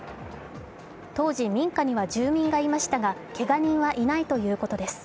当時、民家には住民がいましたが、けが人はいないということです。